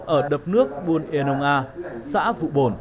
ở đập nước buôn e nông a xã vụ bồn